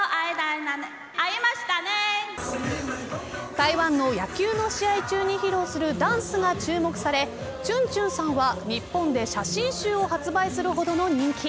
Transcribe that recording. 台湾の野球の試合中に披露するダンスが注目されチュンチュンさんは日本で写真集を発売するほどの人気。